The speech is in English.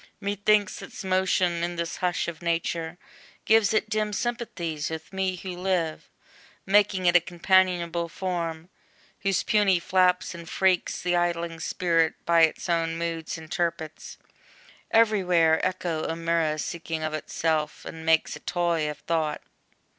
Methinks, its motion in this hush of nature Gives it dim sympathies with me who live, Making it a companionable form, Whose puny flaps and freaks the idling Spirit By its own moods interprets, every where Echo or mirror seeking of itself, And makes a toy of Thought.